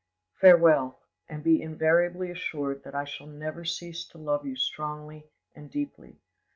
"Farewell, and be invariably assured that I shall never cease to love you strongly and deeply.